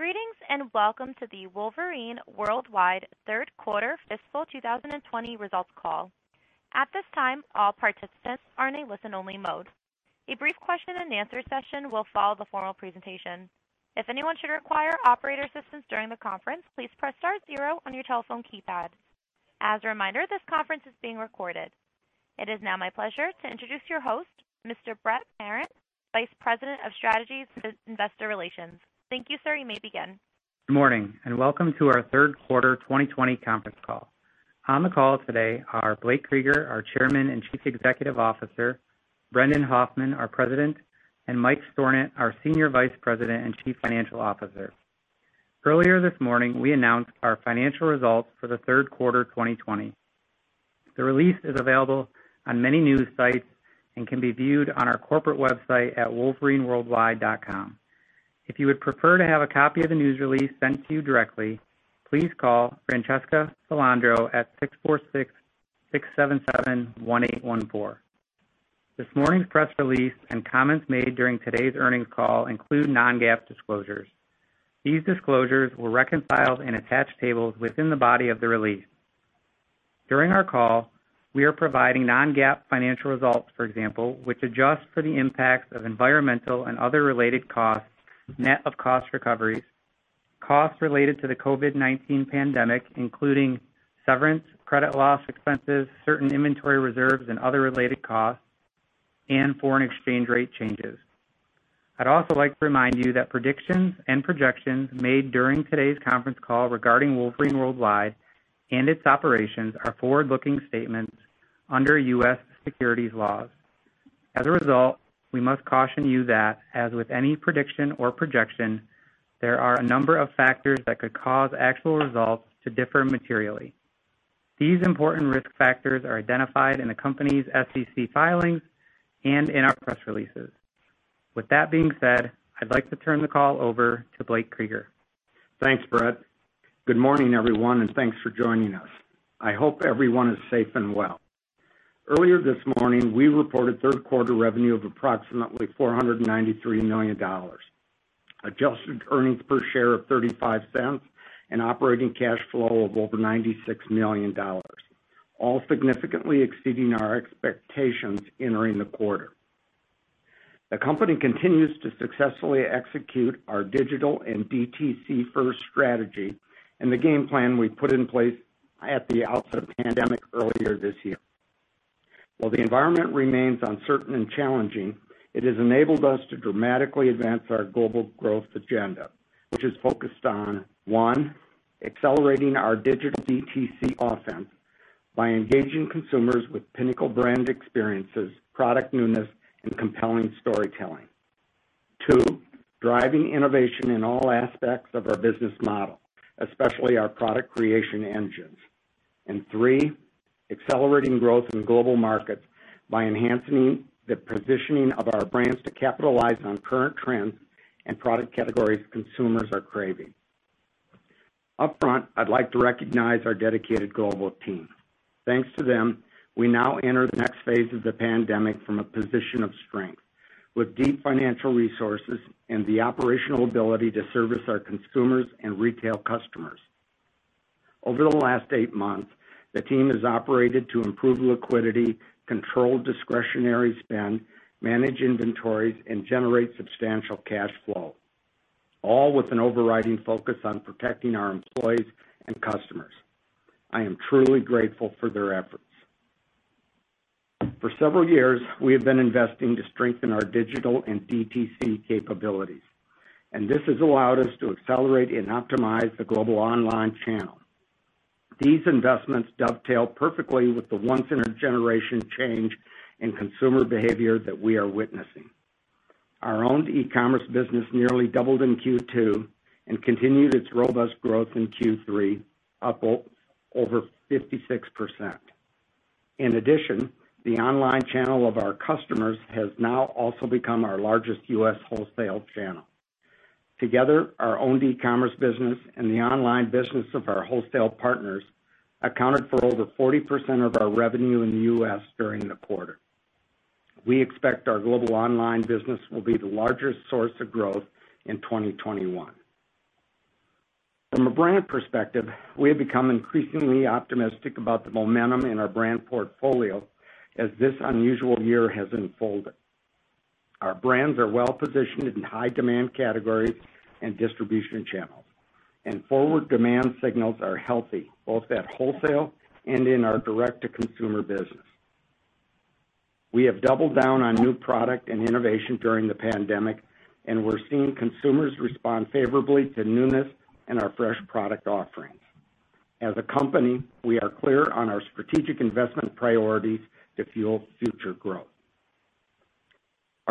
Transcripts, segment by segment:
Greetings, and welcome to the Wolverine Worldwide third quarter fiscal 2020 results call. At this time, all participants are in a listen-only mode. A brief question-and-answer session will follow the formal presentation. If anyone should require operator assistance during the conference, please press star zero on your telephone keypad. As a reminder, this conference is being recorded. It is now my pleasure to introduce your host, Mr. Brett Parent, Vice President of Strategy and Investor Relations. Thank you, sir. You may begin. Good morning, and welcome to our third quarter 2020 conference call. On the call today are Blake Krueger, our Chairman and Chief Executive Officer, Brendan Hoffman, our President, and Mike Stornant, our Senior Vice President and Chief Financial Officer. Earlier this morning, we announced our financial results for the third quarter, 2020. The release is available on many news sites and can be viewed on our corporate website at wolverineworldwide.com. If you would prefer to have a copy of the news release sent to you directly, please call Francesca Sgambati at 646-677-1814. This morning's press release and comments made during today's earnings call include non-GAAP disclosures. These disclosures were reconciled in attached tables within the body of the release. During our call, we are providing non-GAAP financial results, for example, which adjust for the impacts of environmental and other related costs, net of cost recoveries, costs related to the COVID-19 pandemic, including severance, credit loss expenses, certain inventory reserves and other related costs, and foreign exchange rate changes. I'd also like to remind you that predictions and projections made during today's conference call regarding Wolverine Worldwide and its operations are forward-looking statements under U.S. securities laws. As a result, we must caution you that, as with any prediction or projection, there are a number of factors that could cause actual results to differ materially. These important risk factors are identified in the company's SEC filings and in our press releases. With that being said, I'd like to turn the call over to Blake Krueger. Thanks, Brett. Good morning, everyone, and thanks for joining us. I hope everyone is safe and well. Earlier this morning, we reported third quarter revenue of approximately $493 million, adjusted earnings per share of $0.35 and operating cash flow of over $96 million, all significantly exceeding our expectations entering the quarter. The company continues to successfully execute our digital and DTC first strategy and the game plan we put in place at the outset of the pandemic earlier this year. While the environment remains uncertain and challenging, it has enabled us to dramatically advance our global growth agenda, which is focused on, one, accelerating our digital DTC offense by engaging consumers with pinnacle brand experiences, product newness, and compelling storytelling. Two, driving innovation in all aspects of our business model, especially our product creation engines. And three, accelerating growth in global markets by enhancing the positioning of our brands to capitalize on current trends and product categories consumers are craving. Upfront, I'd like to recognize our dedicated global team. Thanks to them, we now enter the next phase of the pandemic from a position of strength, with deep financial resources and the operational ability to service our consumers and retail customers. Over the last eight months, the team has operated to improve liquidity, control discretionary spend, manage inventories, and generate substantial cash flow, all with an overriding focus on protecting our employees and customers. I am truly grateful for their efforts. For several years, we have been investing to strengthen our digital and DTC capabilities, and this has allowed us to accelerate and optimize the global online channel. These investments dovetail perfectly with the once-in-a-generation change in consumer behavior that we are witnessing. Our own e-commerce business nearly doubled in Q2 and continued its robust growth in Q3, up over 56%. In addition, the online channel of our customers has now also become our largest U.S. wholesale channel. Together, our own e-commerce business and the online business of our wholesale partners accounted for over 40% of our revenue in the U.S. during the quarter. We expect our global online business will be the largest source of growth in 2021. From a brand perspective, we have become increasingly optimistic about the momentum in our brand portfolio as this unusual year has unfolded. Our brands are well positioned in high-demand categories and distribution channels, and forward demand signals are healthy, both at wholesale and in our direct-to-consumer business. We have doubled down on new product and innovation during the pandemic, and we're seeing consumers respond favorably to newness and our fresh product offerings. As a company, we are clear on our strategic investment priorities to fuel future growth.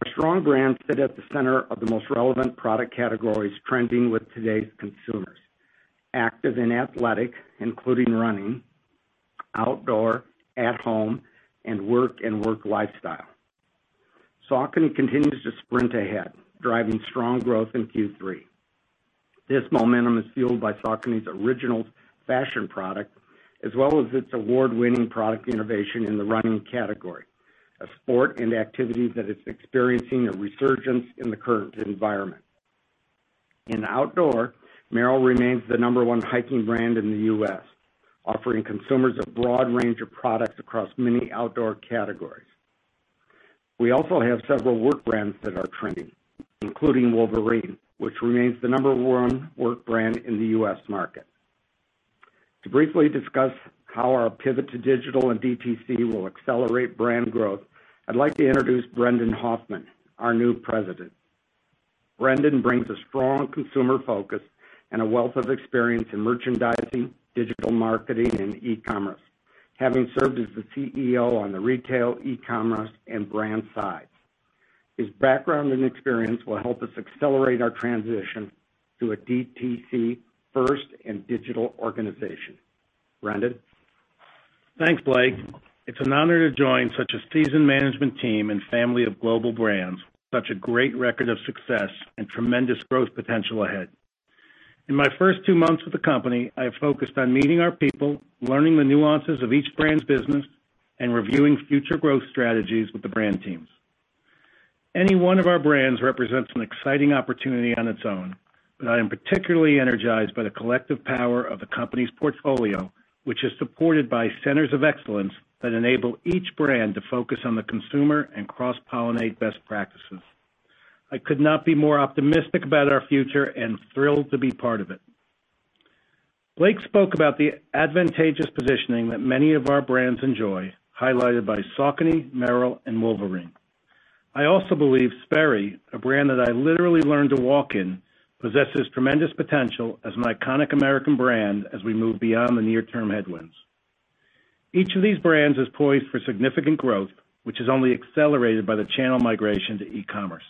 Our strong brands sit at the center of the most relevant product categories trending with today's consumers: active and athletic, including running, outdoor, at home, and work and work lifestyle. Saucony continues to sprint ahead, driving strong growth in Q3. This momentum is fueled by Saucony's original fashion product, as well as its award-winning product innovation in the running category, a sport and activity that is experiencing a resurgence in the current environment. In outdoor, Merrell remains the number one hiking brand in the U.S., offering consumers a broad range of products across many outdoor categories. We also have several work brands that are trending, including Wolverine, which remains the number one work brand in the U.S. market. To briefly discuss how our pivot to digital and DTC will accelerate brand growth, I'd like to introduce Brendan Hoffman, our new president. Brendan brings a strong consumer focus and a wealth of experience in merchandising, digital marketing, and e-commerce, having served as the CEO on the retail, e-commerce, and brand sides. His background and experience will help us accelerate our transition to a DTC first and digital organization. Brendan? Thanks, Blake. It's an honor to join such a seasoned management team and family of global brands, with such a great record of success and tremendous growth potential ahead. In my first two months with the company, I have focused on meeting our people, learning the nuances of each brand's business, and reviewing future growth strategies with the brand teams. Any one of our brands represents an exciting opportunity on its own, but I am particularly energized by the collective power of the company's portfolio, which is supported by centers of excellence that enable each brand to focus on the consumer and cross-pollinate best practices. I could not be more optimistic about our future and thrilled to be part of it. Blake spoke about the advantageous positioning that many of our brands enjoy, highlighted by Saucony, Merrell, and Wolverine. I also believe Sperry, a brand that I literally learned to walk in, possesses tremendous potential as an iconic American brand as we move beyond the near-term headwinds. Each of these brands is poised for significant growth, which is only accelerated by the channel migration to e-commerce.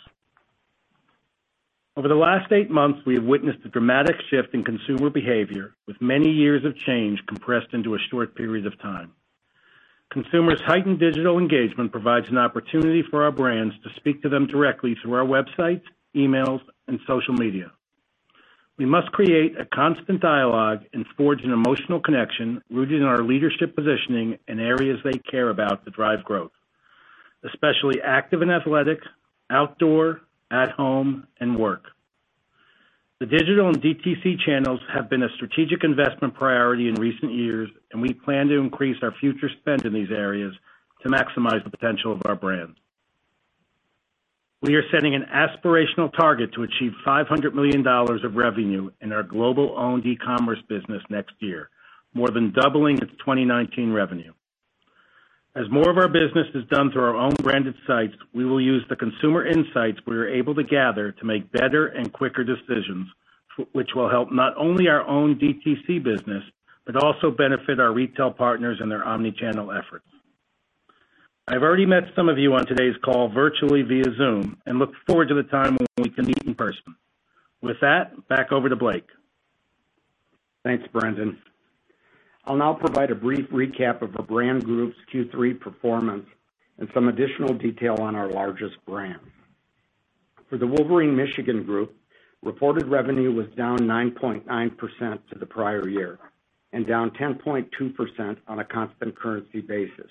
Over the last eight months, we have witnessed a dramatic shift in consumer behavior, with many years of change compressed into a short period of time. Consumers' heightened digital engagement provides an opportunity for our brands to speak to them directly through our websites, emails, and social media. We must create a constant dialogue and forge an emotional connection rooted in our leadership positioning in areas they care about to drive growth, especially active and athletic, outdoor, at home, and work. The digital and DTC channels have been a strategic investment priority in recent years, and we plan to increase our future spend in these areas to maximize the potential of our brands. We are setting an aspirational target to achieve $500 million of revenue in our global owned e-commerce business next year, more than doubling its 2019 revenue. As more of our business is done through our own branded sites, we will use the consumer insights we are able to gather to make better and quicker decisions, which will help not only our own DTC business, but also benefit our retail partners and their Omni-channel efforts. I've already met some of you on today's call virtually via Zoom, and look forward to the time when we can meet in person. With that, back over to Blake. Thanks, Brendan. I'll now provide a brief recap of our brand group's Q3 performance and some additional detail on our largest brands. For the Wolverine Michigan Group, reported revenue was down 9.9% to the prior year and down 10.2% on a constant currency basis,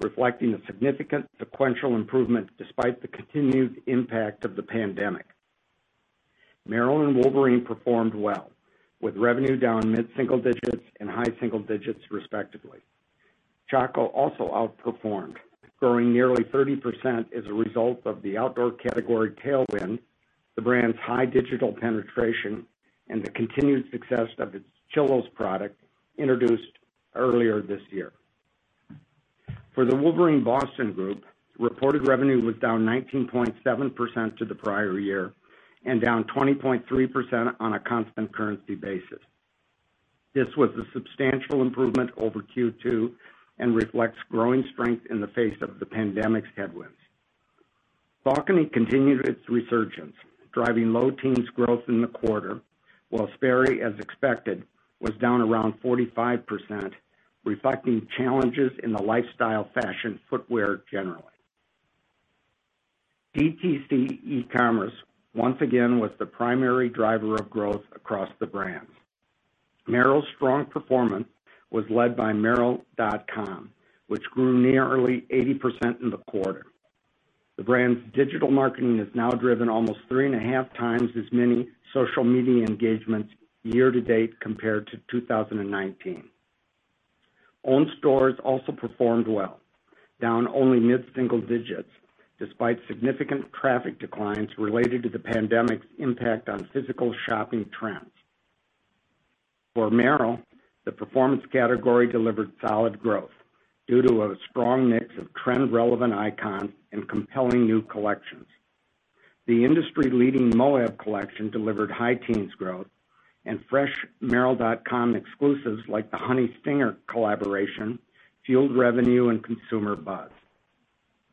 reflecting a significant sequential improvement despite the continued impact of the pandemic. Merrell and Wolverine performed well, with revenue down mid-single digits and high single digits, respectively. Chaco also outperformed, growing nearly 30% as a result of the outdoor category tailwind, the brand's high digital penetration, and the continued success of its Chillos product, introduced earlier this year. For the Wolverine Boston Group, reported revenue was down 19.7% to the prior year and down 20.3% on a constant currency basis. This was a substantial improvement over Q2 and reflects growing strength in the face of the pandemic's headwinds. Saucony continued its resurgence, driving low teens growth in the quarter, while Sperry, as expected, was down around 45%, reflecting challenges in the lifestyle fashion footwear generally. DTC e-commerce, once again, was the primary driver of growth across the brands. Merrell's strong performance was led by Merrell.com, which grew nearly 80% in the quarter. The brand's digital marketing has now driven almost 3.5 times as many social media engagements year to date compared to 2019. Owned stores also performed well, down only mid-single digits, despite significant traffic declines related to the pandemic's impact on physical shopping trends. For Merrell, the performance category delivered solid growth due to a strong mix of trend-relevant icons and compelling new collections. The industry-leading Moab collection delivered high teens growth, and fresh Merrell.com exclusives, like the Honey Stinger collaboration, fueled revenue and consumer buzz.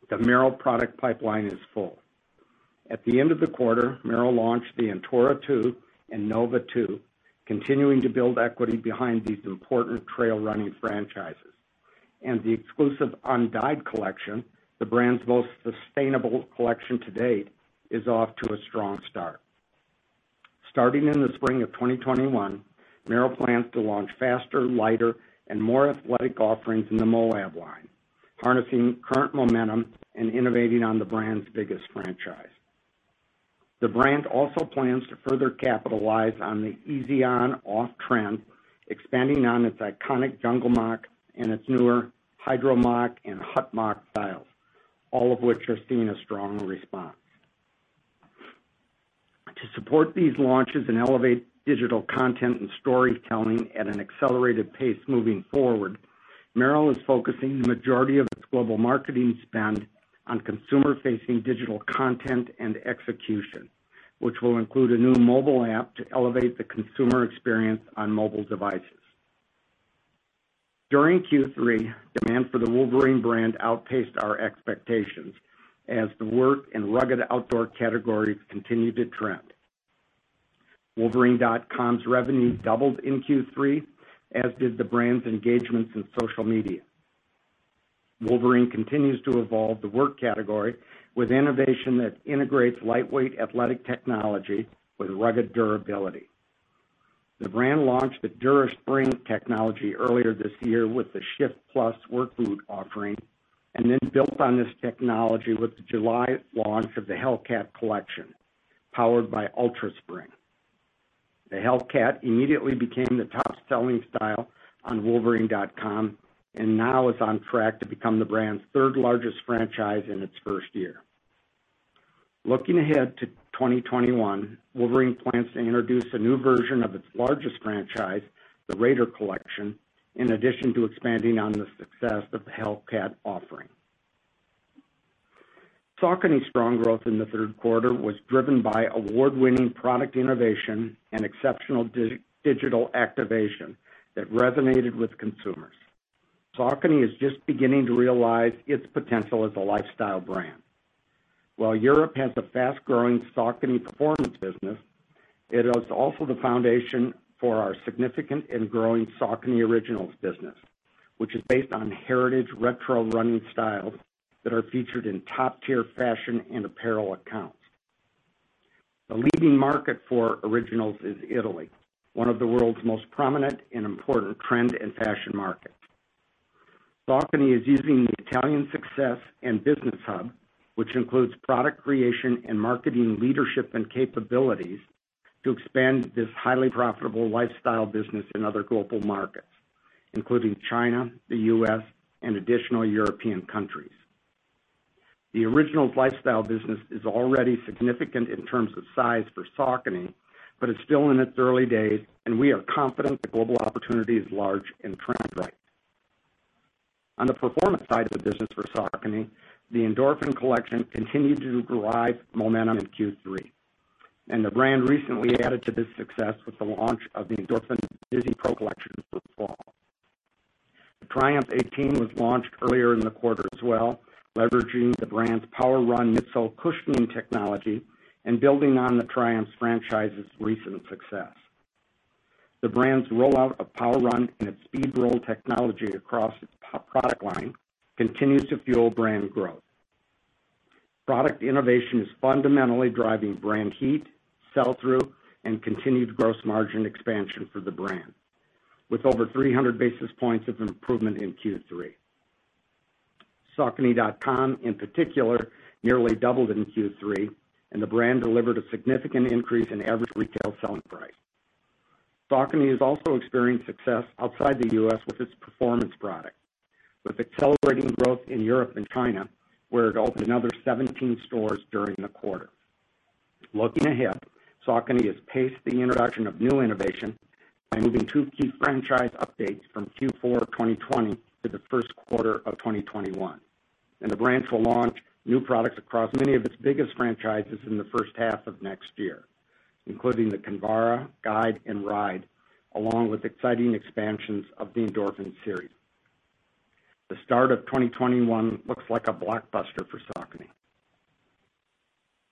The Merrell product pipeline is full. At the end of the quarter, Merrell launched the Antora 2 and Nova 2, continuing to build equity behind these important trail running franchises... and the exclusive Undyed collection, the brand's most sustainable collection to date, is off to a strong start. Starting in the spring of 2021, Merrell plans to launch faster, lighter, and more athletic offerings in the Moab line, harnessing current momentum and innovating on the brand's biggest franchise. The brand also plans to further capitalize on the easy on/off trend, expanding on its iconic Jungle Moc and its newer Hydro Moc and Hut Moc styles, all of which are seeing a strong response. To support these launches and elevate digital content and storytelling at an accelerated pace moving forward, Merrell is focusing the majority of its global marketing spend on consumer-facing digital content and execution, which will include a new mobile app to elevate the consumer experience on mobile devices. During Q3, demand for the Wolverine brand outpaced our expectations, as the work and rugged outdoor categories continued to trend. Wolverine.com's revenue doubled in Q3, as did the brand's engagements in social media. Wolverine continues to evolve the work category with innovation that integrates lightweight athletic technology with rugged durability. The brand launched the DuraSpring technology earlier this year with the ShiftPlus work boot offering, and then built on this technology with the July launch of the Hellcat collection, powered by UltraSpring. The Hellcat immediately became the top-selling style on Wolverine.com, and now is on track to become the brand's third largest franchise in its first year. Looking ahead to 2021, Wolverine plans to introduce a new version of its largest franchise, the Raider collection, in addition to expanding on the success of the Hellcat offering. Saucony's strong growth in the third quarter was driven by award-winning product innovation and exceptional digital activation that resonated with consumers. Saucony is just beginning to realize its potential as a lifestyle brand. While Europe has a fast-growing Saucony performance business, it is also the foundation for our significant and growing Saucony Originals business, which is based on heritage retro running styles that are featured in top-tier fashion and apparel accounts. The leading market for Originals is Italy, one of the world's most prominent and important trend and fashion markets. Saucony is using the Italian success and business hub, which includes product creation and marketing leadership and capabilities, to expand this highly profitable lifestyle business in other global markets, including China, the U.S., and additional European countries. The Originals lifestyle business is already significant in terms of size for Saucony, but it's still in its early days, and we are confident the global opportunity is large and trend right. On the performance side of the business for Saucony, the Endorphin collection continued to derive momentum in Q3, and the brand recently added to this success with the launch of the Endorphin VIZIPRO collection this fall. The Triumph 18 was launched earlier in the quarter as well, leveraging the brand's PWRRUN midsole cushioning technology and building on the Triumph franchise's recent success. The brand's rollout of PWRRUN and its SpeedRoll technology across its product line continues to fuel brand growth. Product innovation is fundamentally driving brand heat, sell-through, and continued gross margin expansion for the brand, with over 300 basis points of improvement in Q3. Saucony.com, in particular, nearly doubled in Q3, and the brand delivered a significant increase in average retail selling price. Saucony has also experienced success outside the U.S. with its performance product, with accelerating growth in Europe and China, where it opened another 17 stores during the quarter. Looking ahead, Saucony has paced the introduction of new innovation by moving two key franchise updates from Q4 2020 to the first quarter of 2021, and the brand will launch new products across many of its biggest franchises in the first half of next year, including the Kinvara, Guide, and Ride, along with exciting expansions of the Endorphin series. The start of 2021 looks like a blockbuster for Saucony.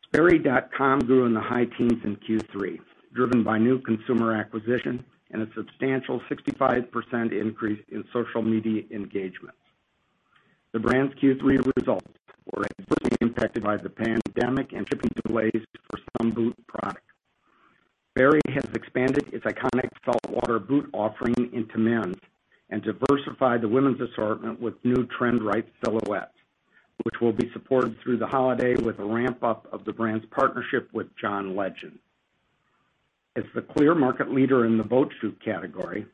Sperry.com grew in the high teens in Q3, driven by new consumer acquisition and a substantial 65% increase in social media engagements. The brand's Q3 results were adversely impacted by the pandemic and shipping delays for some boot products. Sperry has expanded its iconic Saltwater boot offering into men's and diversified the women's assortment with new trend right silhouettes, which will be supported through the holiday with a ramp-up of the brand's partnership with John Legend. As the clear market leader in the boat shoe category,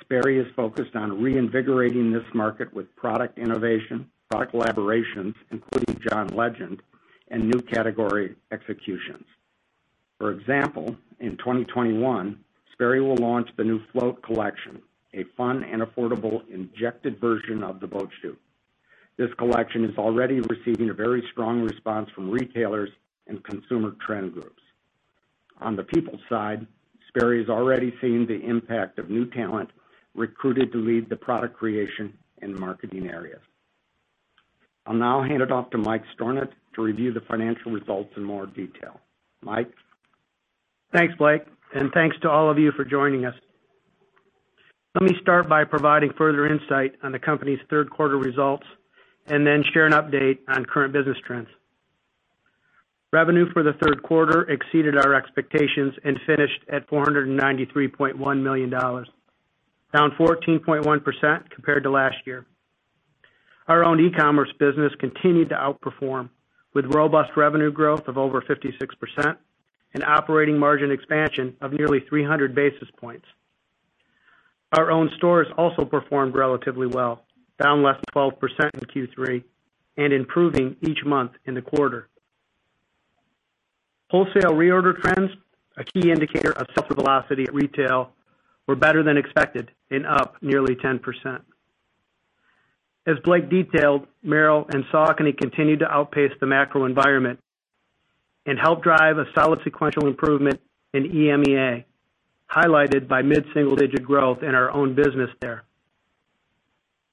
Sperry is focused on reinvigorating this market with product innovation, product collaborations, including John Legend, and new category executions. For example, in 2021, Sperry will launch the new Float collection, a fun and affordable injected version of the boat shoe. This collection is already receiving a very strong response from retailers and consumer trend groups. On the people side, Sperry is already seeing the impact of new talent recruited to lead the product creation and marketing areas.... I'll now hand it off to Mike Stornant to review the financial results in more detail. Mike? Thanks, Blake, and thanks to all of you for joining us. Let me start by providing further insight on the company's third quarter results, and then share an update on current business trends. Revenue for the third quarter exceeded our expectations and finished at $493.1 million, down 14.1% compared to last year. Our own e-commerce business continued to outperform, with robust revenue growth of over 56% and operating margin expansion of nearly 300 basis points. Our own stores also performed relatively well, down less than 12% in Q3 and improving each month in the quarter. Wholesale reorder trends, a key indicator of seller velocity at retail, were better than expected and up nearly 10%. As Blake detailed, Merrell and Saucony continued to outpace the macro environment and helped drive a solid sequential improvement in EMEA, highlighted by mid-single-digit growth in our own business there.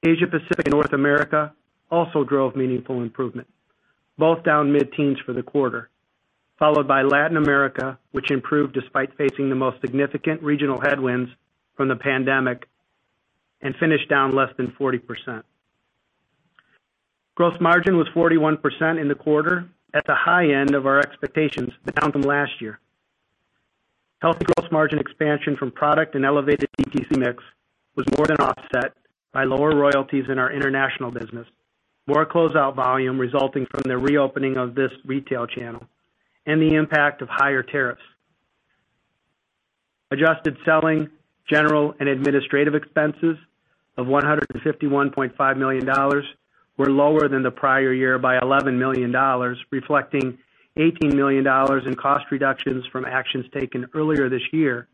Asia Pacific and North America also drove meaningful improvement, both down mid-teens for the quarter, followed by Latin America, which improved despite facing the most significant regional headwinds from the pandemic and finished down less than 40%. Gross margin was 41% in the quarter, at the high end of our expectations, but down from last year. Healthy gross margin expansion from product and elevated DTC mix was more than offset by lower royalties in our international business, more closeout volume resulting from the reopening of this retail channel, and the impact of higher tariffs. Adjusted selling, general and administrative expenses of $151.5 million were lower than the prior year by $11 million, reflecting $18 million in cost reductions from actions taken earlier this year,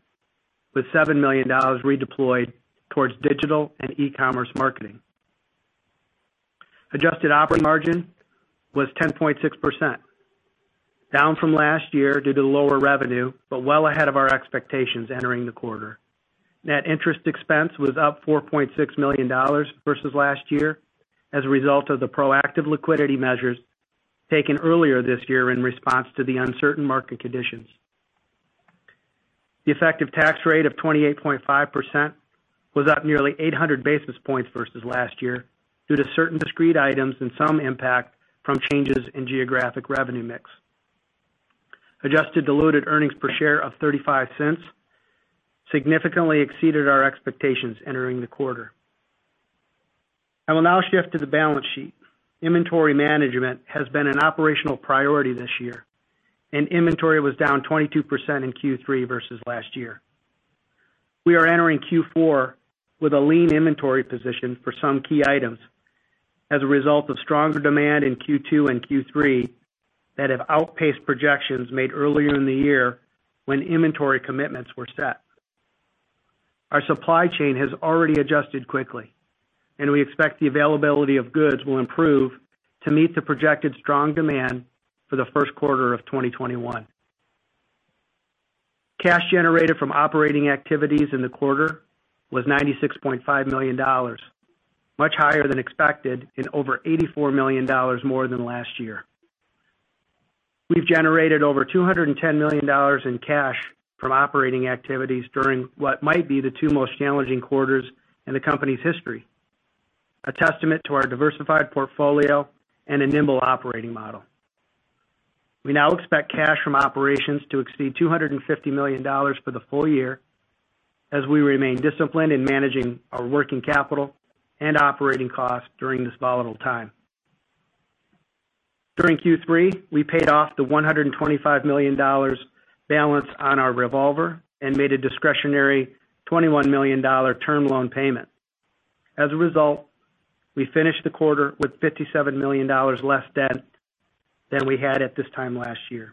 with $7 million redeployed towards digital and e-commerce marketing. Adjusted operating margin was 10.6%, down from last year due to lower revenue, but well ahead of our expectations entering the quarter. Net interest expense was up $4.6 million versus last year as a result of the proactive liquidity measures taken earlier this year in response to the uncertain market conditions. The effective tax rate of 28.5% was up nearly 800 basis points versus last year, due to certain discrete items and some impact from changes in geographic revenue mix. Adjusted diluted earnings per share of $0.35 significantly exceeded our expectations entering the quarter. I will now shift to the balance sheet. Inventory management has been an operational priority this year, and inventory was down 22% in Q3 versus last year. We are entering Q4 with a lean inventory position for some key items as a result of stronger demand in Q2 and Q3 that have outpaced projections made earlier in the year when inventory commitments were set. Our supply chain has already adjusted quickly, and we expect the availability of goods will improve to meet the projected strong demand for the first quarter of 2021. Cash generated from operating activities in the quarter was $96.5 million, much higher than expected and over $84 million more than last year. We've generated over $210 million in cash from operating activities during what might be the two most challenging quarters in the company's history, a testament to our diversified portfolio and a nimble operating model. We now expect cash from operations to exceed $250 million for the full year as we remain disciplined in managing our working capital and operating costs during this volatile time. During Q3, we paid off the $125 million balance on our revolver and made a discretionary $21 million term loan payment. As a result, we finished the quarter with $57 million less debt than we had at this time last year.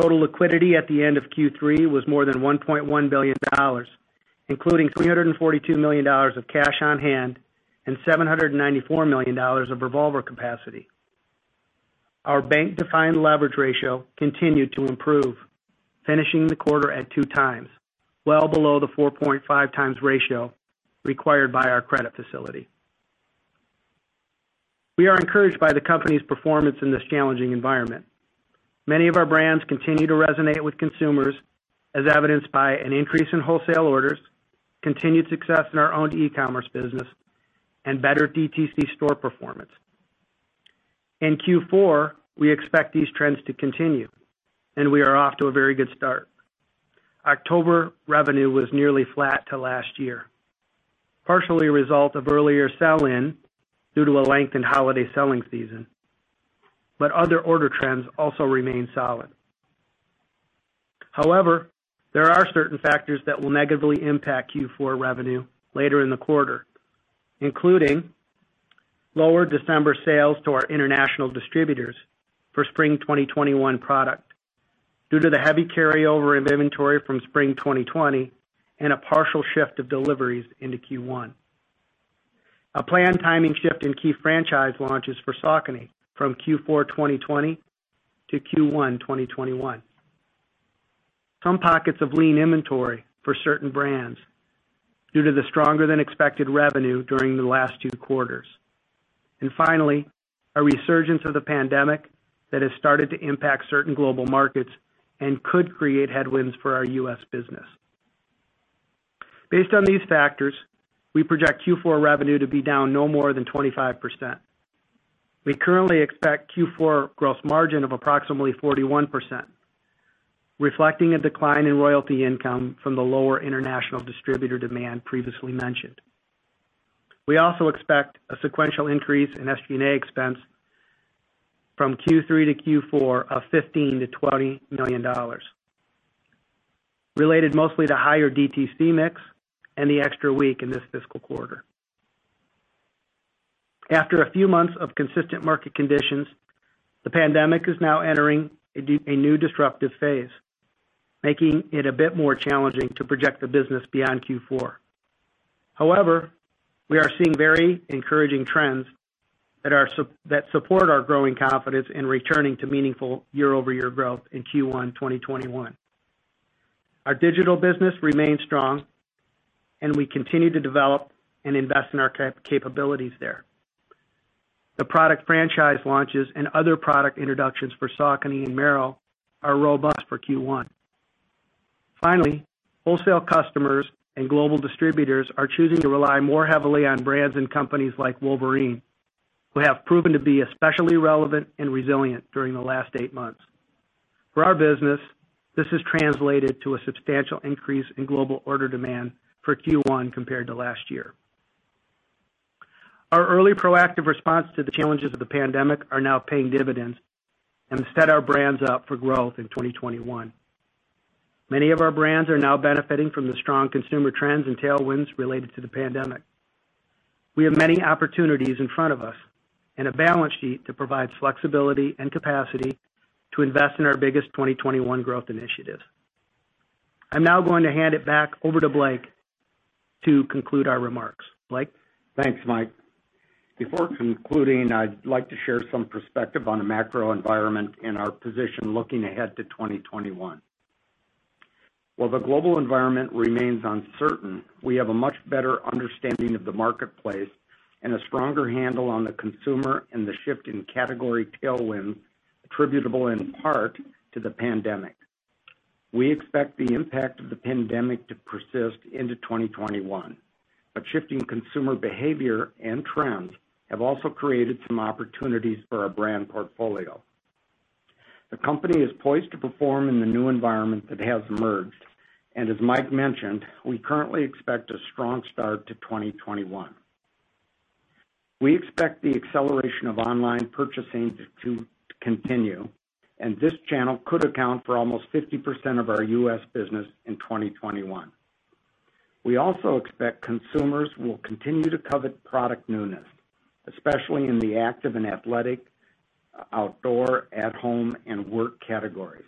Total liquidity at the end of Q3 was more than $1.1 billion, including $342 million of cash on hand and $794 million of revolver capacity. Our bank-defined leverage ratio continued to improve, finishing the quarter at 2x, well below the 4.5x ratio required by our credit facility. We are encouraged by the company's performance in this challenging environment. Many of our brands continue to resonate with consumers, as evidenced by an increase in wholesale orders, continued success in our own e-commerce business, and better DTC store performance. In Q4, we expect these trends to continue, and we are off to a very good start. October revenue was nearly flat to last year, partially a result of earlier sell-in due to a lengthened holiday selling season, but other order trends also remain solid. However, there are certain factors that will negatively impact Q4 revenue later in the quarter, including lower December sales to our international distributors for spring 2021 product due to the heavy carryover of inventory from spring 2020 and a partial shift of deliveries into Q1. A planned timing shift in key franchise launches for Saucony from Q4 2020 to Q1 2021, some pockets of lean inventory for certain brands due to the stronger than expected revenue during the last two quarters. And finally, a resurgence of the pandemic that has started to impact certain global markets and could create headwinds for our U.S. business. Based on these factors, we project Q4 revenue to be down no more than 25%. We currently expect Q4 gross margin of approximately 41%, reflecting a decline in royalty income from the lower international distributor demand previously mentioned. We also expect a sequential increase in SG&A expense from Q3 to Q4 of $15 million-$20 million, related mostly to higher DTC mix and the extra week in this fiscal quarter. After a few months of consistent market conditions, the pandemic is now entering a new disruptive phase, making it a bit more challenging to project the business beyond Q4. However, we are seeing very encouraging trends that support our growing confidence in returning to meaningful year-over-year growth in Q1 2021. Our digital business remains strong, and we continue to develop and invest in our capabilities there. The product franchise launches and other product introductions for Saucony and Merrell are robust for Q1. Finally, wholesale customers and global distributors are choosing to rely more heavily on brands and companies like Wolverine, who have proven to be especially relevant and resilient during the last eight months. For our business, this has translated to a substantial increase in global order demand for Q1 compared to last year. Our early proactive response to the challenges of the pandemic are now paying dividends and set our brands up for growth in 2021. Many of our brands are now benefiting from the strong consumer trends and tailwinds related to the pandemic. We have many opportunities in front of us and a balance sheet that provides flexibility and capacity to invest in our biggest 2021 growth initiatives. I'm now going to hand it back over to Blake to conclude our remarks. Blake? Thanks, Mike. Before concluding, I'd like to share some perspective on the macro environment and our position looking ahead to 2021. While the global environment remains uncertain, we have a much better understanding of the marketplace and a stronger handle on the consumer and the shift in category tailwind, attributable in part to the pandemic. We expect the impact of the pandemic to persist into 2021, but shifting consumer behavior and trends have also created some opportunities for our brand portfolio. The company is poised to perform in the new environment that has emerged, and as Mike mentioned, we currently expect a strong start to 2021. We expect the acceleration of online purchasing to continue, and this channel could account for almost 50% of our U.S. business in 2021. We also expect consumers will continue to covet product newness, especially in the active and athletic, outdoor, at home, and work categories.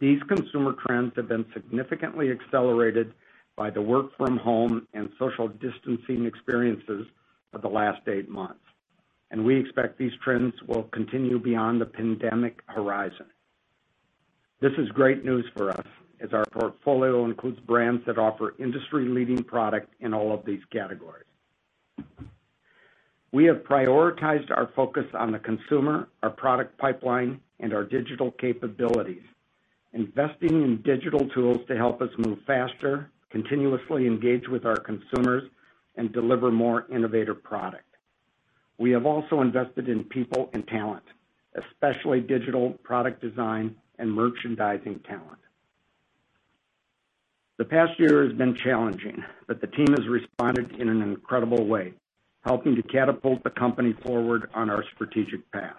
These consumer trends have been significantly accelerated by the work from home and social distancing experiences of the last eight months, and we expect these trends will continue beyond the pandemic horizon. This is great news for us, as our portfolio includes brands that offer industry-leading product in all of these categories. We have prioritized our focus on the consumer, our product pipeline, and our digital capabilities, investing in digital tools to help us move faster, continuously engage with our consumers, and deliver more innovative product. We have also invested in people and talent, especially digital product design and merchandising talent. The past year has been challenging, but the team has responded in an incredible way, helping to catapult the company forward on our strategic path.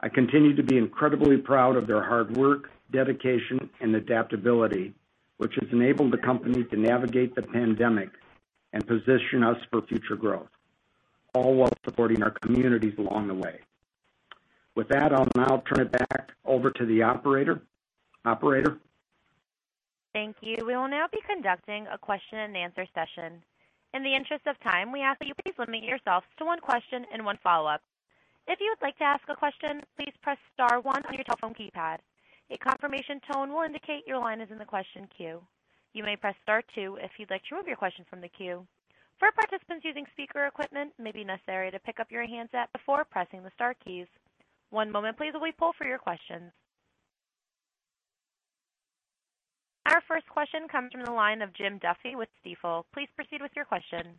I continue to be incredibly proud of their hard work, dedication, and adaptability, which has enabled the company to navigate the pandemic and position us for future growth, all while supporting our communities along the way. With that, I'll now turn it back over to the operator. Operator? Thank you. We will now be conducting a question and answer session. In the interest of time, we ask that you please limit yourselves to one question and one follow-up. If you would like to ask a question, please press star one on your telephone keypad. A confirmation tone will indicate your line is in the question queue. You may press star two if you'd like to remove your question from the queue. For participants using speaker equipment, it may be necessary to pick up your handset before pressing the star keys. One moment please while we poll for your questions. Our first question comes from the line of Jim Duffy with Stifel. Please proceed with your question.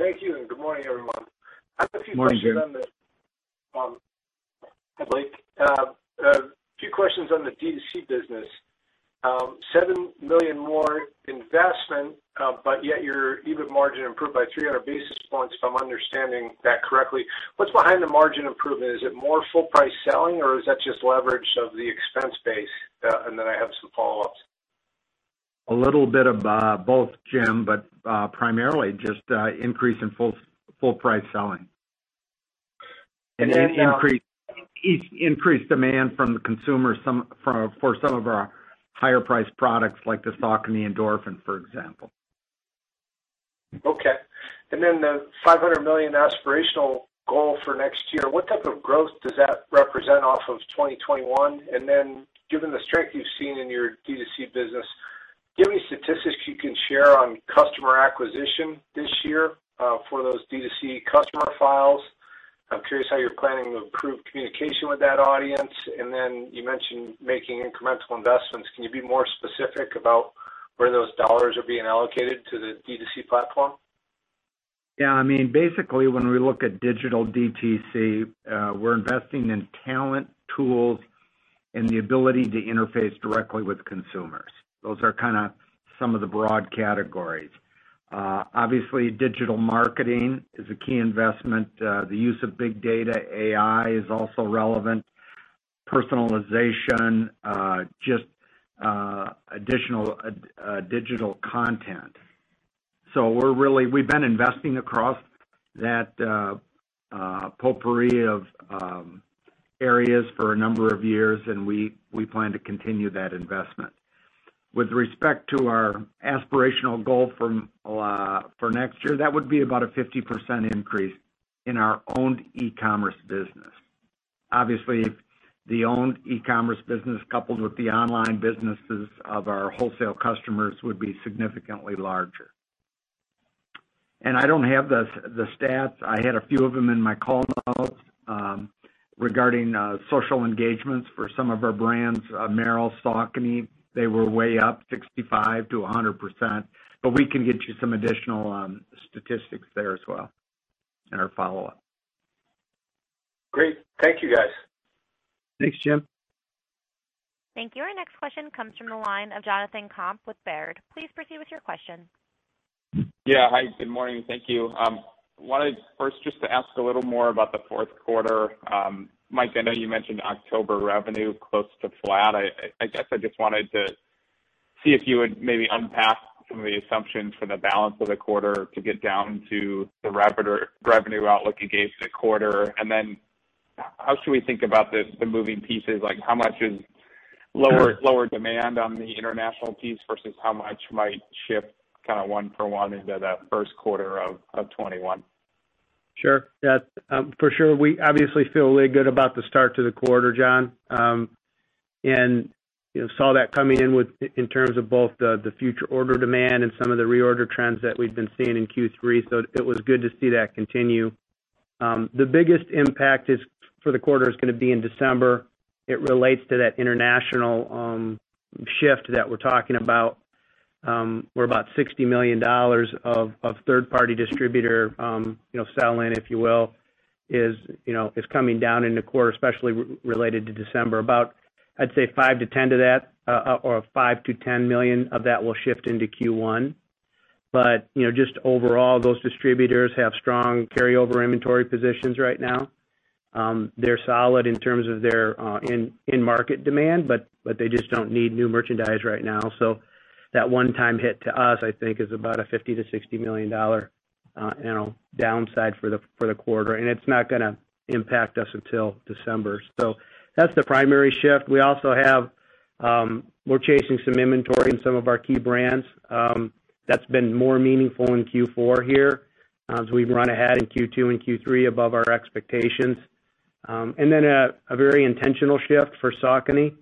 Thank you, and good morning, everyone. Good morning, Jim. I have a few questions on the Hi, Blake. A few questions on the DTC business. $7 million more investment, but yet your EBIT margin improved by 300 basis points, if I'm understanding that correctly. What's behind the margin improvement? Is it more full price selling, or is that just leverage of the expense base? And then I have some follow-ups. A little bit of both, Jim, but primarily just increase in full, full price selling. And then, increased demand from the consumer for some of our higher-priced products, like the Saucony Endorphin, for example.... Okay. And then the $500 million aspirational goal for next year, what type of growth does that represent off of 2021? And then given the strength you've seen in your D2C business, do you have any statistics you can share on customer acquisition this year, for those D2C customer files? I'm curious how you're planning to improve communication with that audience. And then you mentioned making incremental investments. Can you be more specific about where those dollars are being allocated to the D2C platform? Yeah, I mean, basically, when we look at digital DTC, we're investing in talent, tools, and the ability to interface directly with consumers. Those are kind of some of the broad categories. Obviously, digital marketing is a key investment. The use of big data, AI, is also relevant. Personalization, just additional digital content. So we've been investing across that potpourri of areas for a number of years, and we plan to continue that investment. With respect to our aspirational goal for next year, that would be about a 50% increase in our own e-commerce business. Obviously, the own e-commerce business, coupled with the online businesses of our wholesale customers, would be significantly larger. I don't have the stats. I had a few of them in my call notes, regarding social engagements for some of our brands, Merrell, Saucony. They were way up 65%-100%, but we can get you some additional statistics there as well in our follow-up. Great. Thank you, guys. Thanks, Jim. Thank you. Our next question comes from the line of Jonathan Komp with Baird. Please proceed with your question. Yeah. Hi, good morning. Thank you. Wanted first, just to ask a little more about the fourth quarter. Mike, I know you mentioned October revenue close to flat. I guess I just wanted to see if you would maybe unpack some of the assumptions for the balance of the quarter to get down to the guided revenue outlook you gave for the quarter. And then, how should we think about this, the moving pieces? Like, how much is lower demand on the international piece versus how much might shift, kind of, one for one into that first quarter of 2021? Sure. Yeah. For sure. We obviously feel really good about the start to the quarter, Jon. And, you know, saw that coming in with, in terms of both the future order demand and some of the reorder trends that we've been seeing in Q3, so it was good to see that continue. The biggest impact, for the quarter, is gonna be in December. It relates to that international shift that we're talking about. Where about $60 million of third-party distributor, you know, sell-in, if you will, is coming down in the quarter, especially related to December. About, I'd say, or $5 million-$10 million of that will shift into Q1. But, you know, just overall, those distributors have strong carryover inventory positions right now. They're solid in terms of their in market demand, but they just don't need new merchandise right now. So that one-time hit to us, I think, is about a $50 million-$60 million downside for the quarter, you know, and it's not gonna impact us until December. So that's the primary shift. We also have; we're chasing some inventory in some of our key brands. That's been more meaningful in Q4 here as we've run ahead in Q2 and Q3 above our expectations. And then a very intentional shift for Saucony.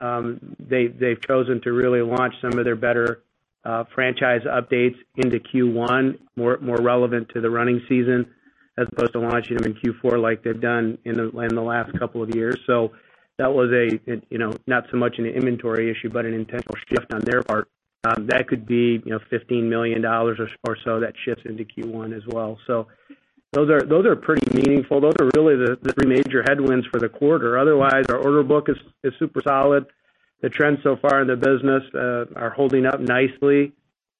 They've chosen to really launch some of their better franchise updates into Q1, more relevant to the running season, as opposed to launching them in Q4, like they've done in the last couple of years. So that was, you know, not so much an inventory issue, but an intentional shift on their part. That could be, you know, $15 million or so that shifts into Q1 as well. So those are, those are pretty meaningful. Those are really the three major headwinds for the quarter. Otherwise, our order book is super solid. The trends so far in the business are holding up nicely.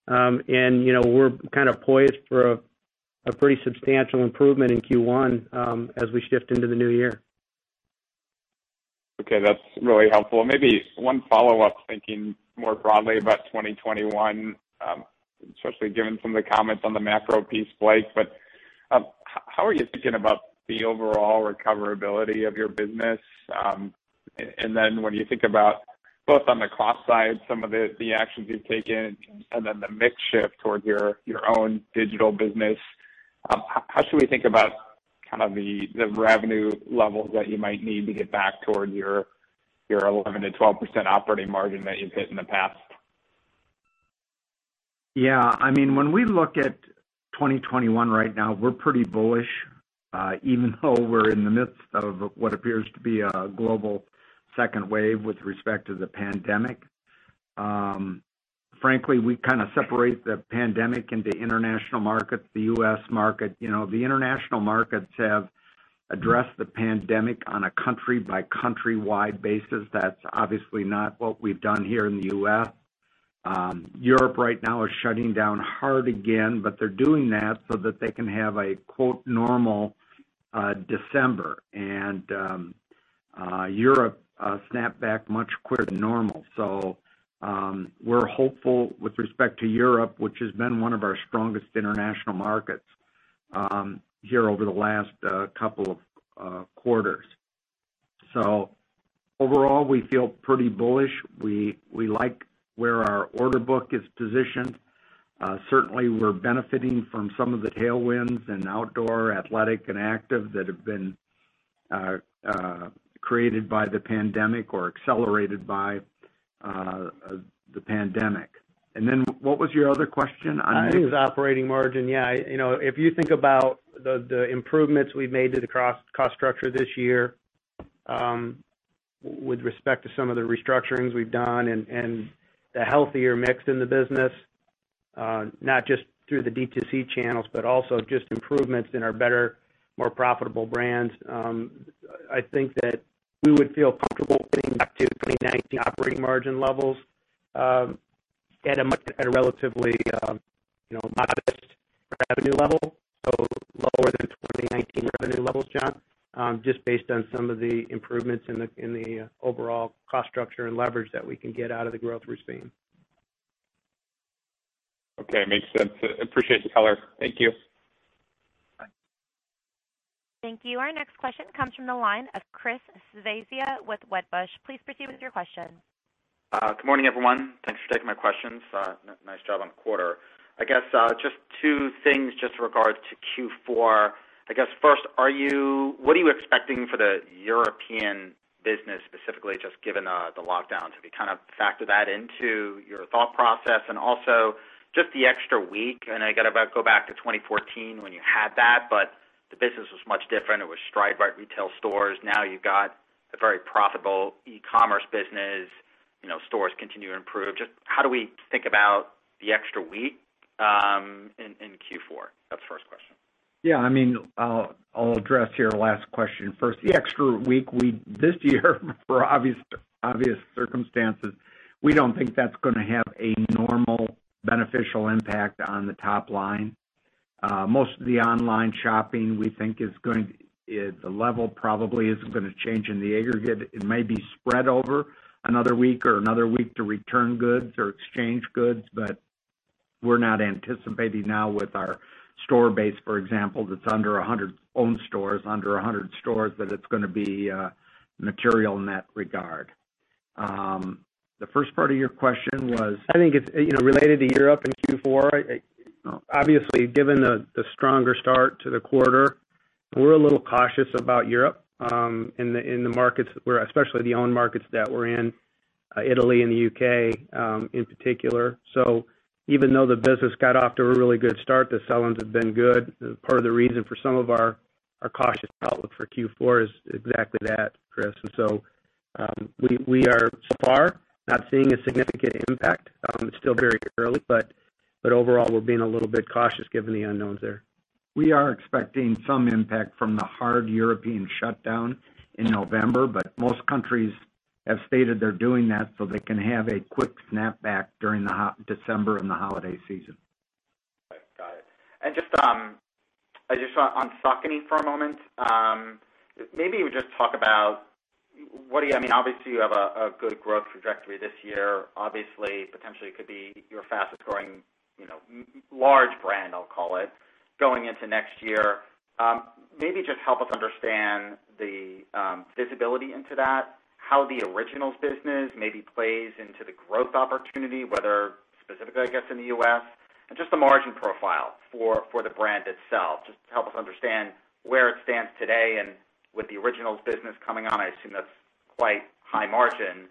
And, you know, we're kind of poised for a pretty substantial improvement in Q1, as we shift into the new year. Okay, that's really helpful. Maybe one follow-up, thinking more broadly about 2021, especially given some of the comments on the macro piece, Blake. But, how are you thinking about the overall recoverability of your business? And then when you think about both on the cost side, some of the, the actions you've taken, and then the mix shift toward your, your own digital business, how should we think about kind of the, the revenue levels that you might need to get back toward your, your 11%-12% operating margin that you've hit in the past? Yeah. I mean, when we look at 2021 right now, we're pretty bullish, even though we're in the midst of what appears to be a global second wave with respect to the pandemic. Frankly, we kind of separate the pandemic into international markets, the U.S. market. You know, the international markets have addressed the pandemic on a country-by-country wide basis. That's obviously not what we've done here in the U.S. Europe right now is shutting down hard again, but they're doing that so that they can have a, quote, "normal," December. And, Europe, snap back much quicker than normal. So, we're hopeful with respect to Europe, which has been one of our strongest international markets, here over the last couple of quarters. So overall, we feel pretty bullish. We, we like where our order book is positioned. Certainly, we're benefiting from some of the tailwinds and outdoor, athletic, and active that have been created by the pandemic or accelerated by the pandemic. And then what was your other question on- I think it was operating margin. Yeah, you know, if you think about the improvements we've made to the core cost structure this year, with respect to some of the restructurings we've done and the healthier mix in the business, not just through the DTC channels, but also just improvements in our better, more profitable brands, I think that we would feel comfortable getting back to 2019 operating margin levels, at a relatively, you know, modest revenue level, so lower than 2019 revenue levels, John, just based on some of the improvements in the overall cost structure and leverage that we can get out of the growth through streamlining. Okay, makes sense. I appreciate the color. Thank you. Bye. Thank you. Our next question comes from the line of Chris Svezia with Wedbush. Please proceed with your question. Good morning, everyone. Thanks for taking my questions. Nice job on the quarter. I guess just two things just in regards to Q4. I guess first, what are you expecting for the European business, specifically, just given the lockdowns? Have you kind of factored that into your thought process? And also, just the extra week, and I got to go back to 2014 when you had that, but the business was much different. It was stride retail stores. Now, you've got the very profitable e-commerce business, you know, stores continue to improve. Just how do we think about the extra week in Q4? That's the first question. Yeah, I mean, I'll, I'll address your last question first. The extra week this year, for obvious, obvious circumstances, we don't think that's gonna have a normal beneficial impact on the top line. Most of the online shopping, we think, the level probably isn't gonna change in the aggregate. It may be spread over another week or another week to return goods or exchange goods, but we're not anticipating now with our store base, for example, that's under 100 owned stores, under 100 stores, that it's gonna be material in that regard. The first part of your question was? I think it's, you know, related to Europe in Q4, obviously, given the stronger start to the quarter, we're a little cautious about Europe in the markets where, especially the owned markets that we're in, Italy and the UK, in particular. So even though the business got off to a really good start, the sell-ins have been good. Part of the reason for some of our cautious outlook for Q4 is exactly that, Chris. And so, we are so far not seeing a significant impact. It's still very early, but overall, we're being a little bit cautious given the unknowns there. We are expecting some impact from the hard European shutdown in November, but most countries have stated they're doing that so they can have a quick snapback during the December and the holiday season. Got it. And just, I just want on Saucony for a moment, maybe just talk about—I mean, obviously, you have a good growth trajectory this year. Obviously, potentially, it could be your fastest growing, you know, large brand, I'll call it, going into next year. Maybe just help us understand the visibility into that, how the originals business maybe plays into the growth opportunity, whether specifically, I guess, in the U.S., and just the margin profile for the brand itself. Just to help us understand where it stands today and with the originals business coming on, I assume that's quite high margin,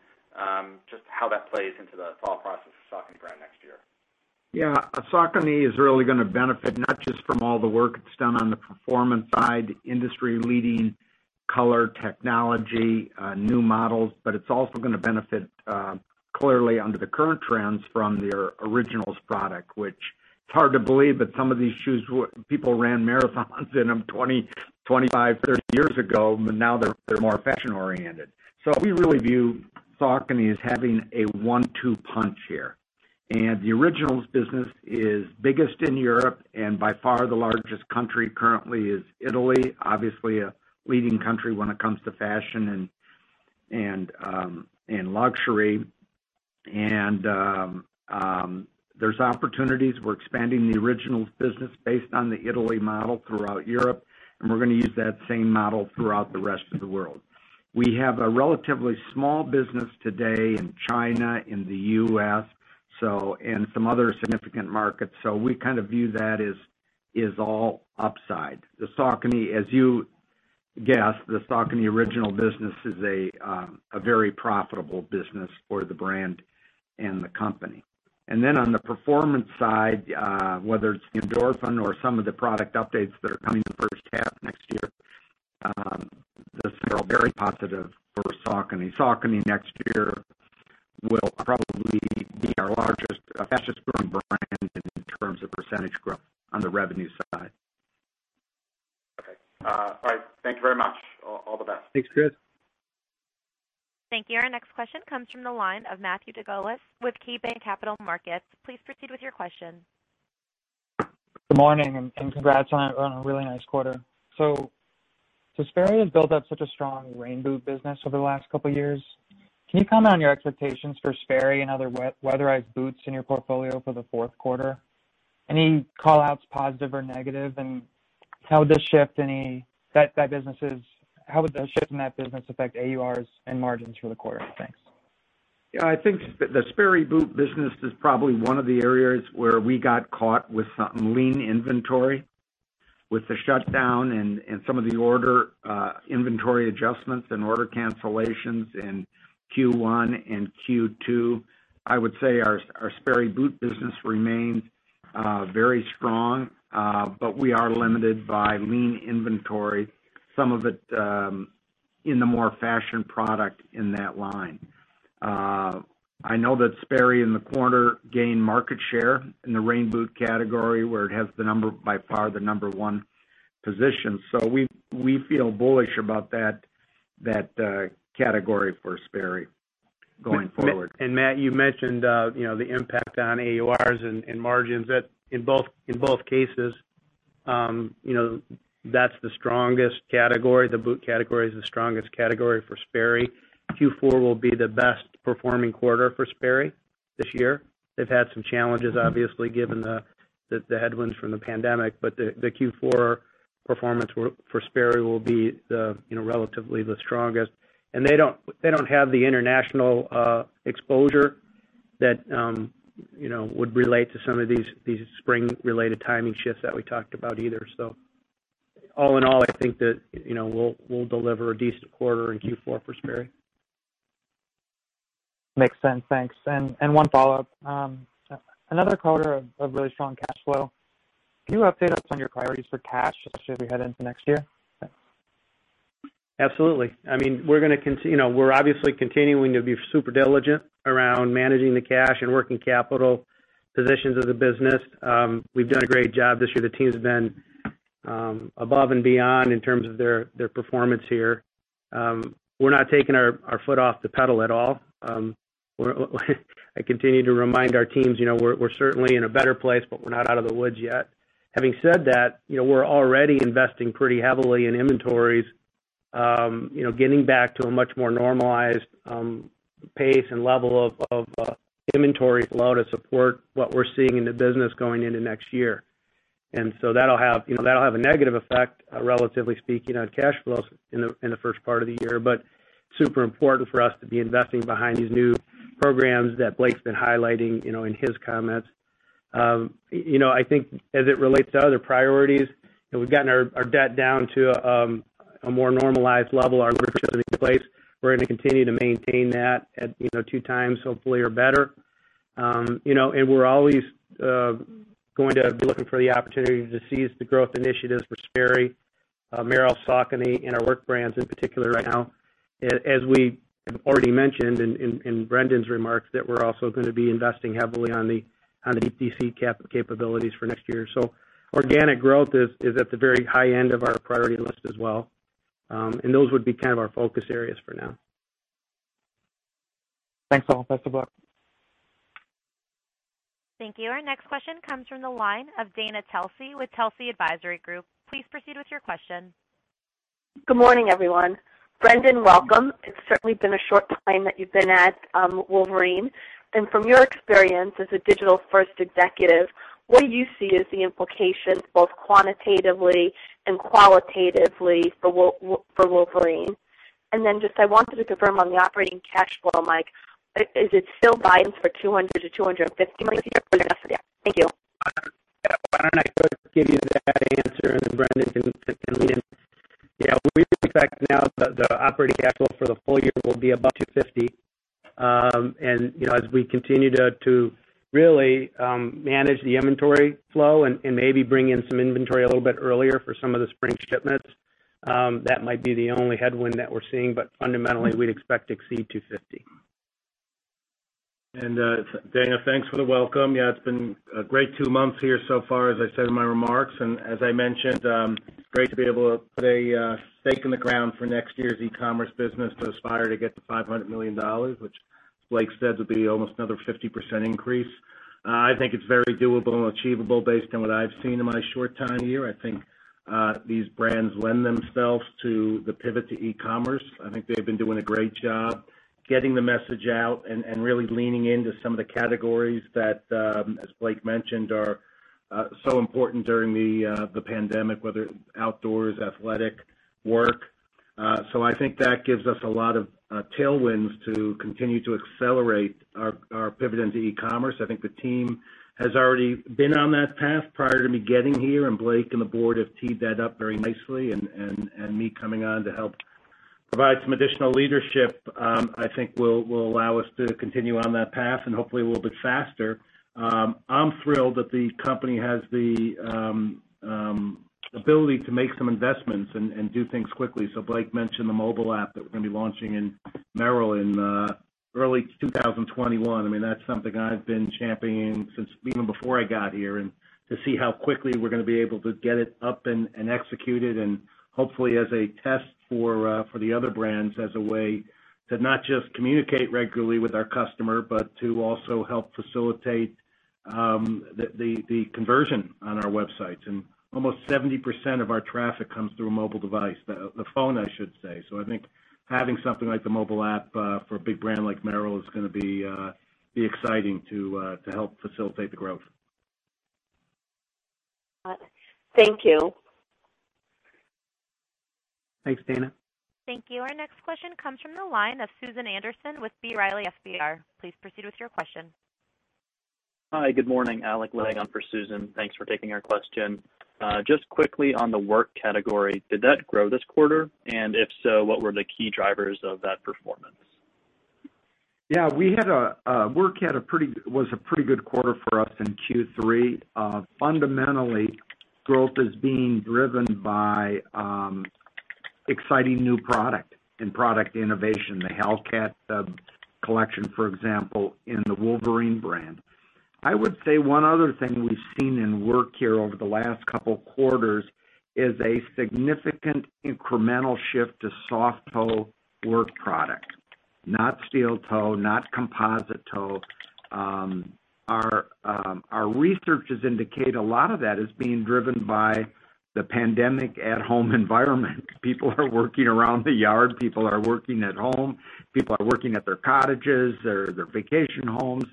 just how that plays into the thought process of Saucony brand next year. Yeah. Saucony is really gonna benefit not just from all the work that's done on the performance side, industry-leading color technology, new models, but it's also gonna benefit, clearly under the current trends from their originals product, which it's hard to believe, but some of these shoes people ran marathons in them 20, 25, 30 years ago, but now they're, they're more fashion-oriented. So we really view Saucony as having a one-two punch here. And the originals business is biggest in Europe, and by far, the largest country currently is Italy, obviously a leading country when it comes to fashion and, and, and luxury. And, there's opportunities. We're expanding the originals business based on the Italy model throughout Europe, and we're gonna use that same model throughout the rest of the world. We have a relatively small business today in China, in the U.S., so, and some other significant markets, so we kind of view that as, is all upside. The Saucony, as you guessed, the Saucony original business is a, a very profitable business for the brand and the company. And then on the performance side, whether it's the Endorphin or some of the product updates that are coming in the first half next year, the signal very positive for Saucony. Saucony next year will probably be our largest, fastest growing brand in terms of percentage growth on the revenue side. Okay. All right. Thank you very much. All the best. Thanks, Chris. Thank you. Our next question comes from the line of Matthew DeGulis with KeyBank Capital Markets. Please proceed with your question. Good morning, and congrats on a really nice quarter. So Sperry has built up such a strong rain boot business over the last couple of years. Can you comment on your expectations for Sperry and other weatherized boots in your portfolio for the fourth quarter? Any callouts, positive or negative, and how would this shift in that business affect AURs and margins for the quarter? Thanks. Yeah, I think the Sperry boot business is probably one of the areas where we got caught with some lean inventory, with the shutdown and some of the order inventory adjustments and order cancellations in Q1 and Q2. I would say our Sperry boot business remains very strong, but we are limited by lean inventory, some of it in the more fashion product in that line. I know that Sperry in the quarter gained market share in the rain boot category, where it has the number, by far, the number one position. So we feel bullish about that category for Sperry going forward. And Matt, you mentioned, you know, the impact on AURs and margins. That in both cases, you know, that's the strongest category. The boot category is the strongest category for Sperry. Q4 will be the best performing quarter for Sperry this year. They've had some challenges, obviously, given the headwinds from the pandemic, but the Q4 performance for Sperry will be, you know, relatively the strongest. And they don't have the international exposure that, you know, would relate to some of these spring-related timing shifts that we talked about either. So all in all, I think that, you know, we'll deliver a decent quarter in Q4 for Sperry. Makes sense, thanks. And one follow-up. Another quarter of really strong cash flow. Can you update us on your priorities for cash, especially as we head into next year? Absolutely. I mean, we're gonna you know, we're obviously continuing to be super diligent around managing the cash and working capital positions of the business. We've done a great job this year. The team's been above and beyond in terms of their performance here. We're not taking our foot off the pedal at all. I continue to remind our teams, you know, we're certainly in a better place, but we're not out of the woods yet. Having said that, you know, we're already investing pretty heavily in inventories, you know, getting back to a much more normalized pace and level of inventory flow to support what we're seeing in the business going into next year. So that'll have, you know, that'll have a negative effect, relatively speaking, on cash flows in the first part of the year. But super important for us to be investing behind these new programs that Blake's been highlighting, you know, in his comments. You know, I think as it relates to other priorities, you know, we've gotten our debt down to a more normalized level, our maturity place. We're gonna continue to maintain that at, you know, 2x, hopefully, or better. You know, and we're always going to be looking for the opportunity to seize the growth initiatives for Sperry, Merrell, Saucony, and our work brands in particular right now. As we have already mentioned in Brendan's remarks, that we're also gonna be investing heavily on the DTC capabilities for next year. Organic growth is at the very high end of our priority list as well. Those would be kind of our focus areas for now. Thanks, all. Best of luck. Thank you. Our next question comes from the line of Dana Telsey with Telsey Advisory Group. Please proceed with your question. Good morning, everyone. Brendan, welcome. It's certainly been a short time that you've been at Wolverine. From your experience as a digital first executive, what do you see as the implications, both quantitatively and qualitatively, for Wolverine? I wanted to confirm on the operating cash flow, Mike. Is it still guidance for $200 million-$250 million? Thank you. Yeah, why don't I go give you that answer, and then Brendan can lean in. Yeah, we expect now the operating cash flow for the full year will be above $250. And, you know, as we continue to really manage the inventory flow and maybe bring in some inventory a little bit earlier for some of the spring shipments, that might be the only headwind that we're seeing. But fundamentally, we'd expect to exceed $250. Dana, thanks for the welcome. Yeah, it's been a great two months here so far, as I said in my remarks. And as I mentioned, great to be able to put a stake in the ground for next year's e-commerce business to aspire to get to $500 million, which Blake said would be almost another 50% increase. I think it's very doable and achievable based on what I've seen in my short time here. I think, these brands lend themselves to the pivot to e-commerce. I think they've been doing a great job getting the message out and really leaning into some of the categories that, as Blake mentioned, are so important during the pandemic, whether outdoors, athletic, work. So I think that gives us a lot of tailwinds to continue to accelerate our pivot into e-commerce. I think the team has already been on that path prior to me getting here, and Blake and the board have teed that up very nicely. And me coming on to help provide some additional leadership, I think will allow us to continue on that path and hopefully a little bit faster. I'm thrilled that the company has the ability to make some investments and do things quickly. So Blake mentioned the mobile app that we're gonna be launching in Merrell in early 2021. I mean, that's something I've been championing since even before I got here, and to see how quickly we're gonna be able to get it up and executed, and hopefully as a test for the other brands, as a way to not just communicate regularly with our customer, but to also help facilitate the conversion on our websites. And almost 70% of our traffic comes through a mobile device, the phone, I should say. So I think having something like the mobile app for a big brand like Merrell is gonna be exciting to help facilitate the growth. Thank you.... Thanks, Dana. Thank you. Our next question comes from the line of Susan Anderson with B. Riley FBR. Please proceed with your question. Hi, good morning, Alec Legg on for Susan. Thanks for taking our question. Just quickly on the work category, did that grow this quarter? And if so, what were the key drivers of that performance? Yeah, work had a pretty good quarter for us in Q3. Fundamentally, growth is being driven by exciting new product and product innovation, the Hellcat collection, for example, in the Wolverine brand. I would say one other thing we've seen in work here over the last couple quarters is a significant incremental shift to soft toe work product, not steel toe, not composite toe. Our research indicates a lot of that is being driven by the pandemic at-home environment. People are working around the yard, people are working at home, people are working at their cottages, their vacation homes.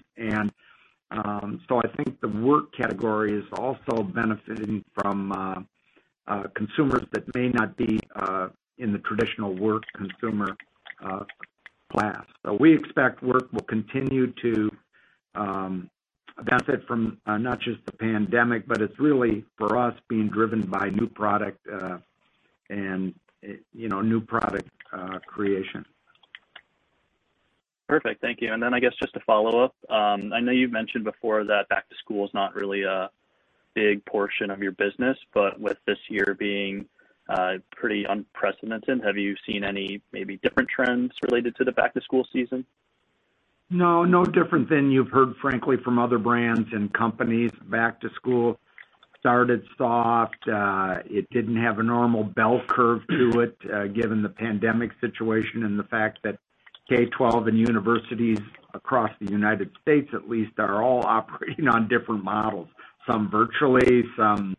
So I think the work category is also benefiting from consumers that may not be in the traditional work consumer class. So we expect work will continue to benefit from not just the pandemic, but it's really, for us, being driven by new product and, you know, new product creation. Perfect. Thank you. And then I guess just to follow up, I know you've mentioned before that back to school is not really a big portion of your business, but with this year being pretty unprecedented, have you seen any maybe different trends related to the back to school season? No, no different than you've heard, frankly, from other brands and companies. Back to school started soft. It didn't have a normal bell curve to it, given the pandemic situation and the fact that K-12 and universities across the United States, at least, are all operating on different models, some virtually, some